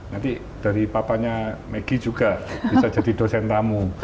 nanti dari papanya maggie juga bisa jadi dosen tamu